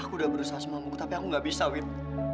aku berusaha semamuku tapi aku gak bisa wit